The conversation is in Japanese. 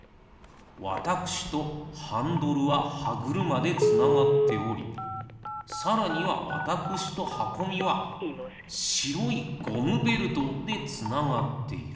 わたくしとハンドルははぐるまでつながっておりさらにはわたくしとはこみはしろいゴムベルトでつながっている。